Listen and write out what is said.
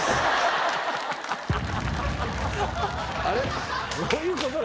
あれ？